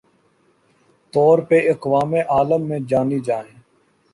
طور پہ اقوام عالم میں جانی جائیں